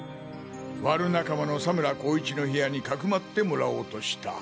ワル仲間の佐村功一の部屋に匿ってもらおうとした。